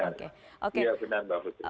iya benar mbak putri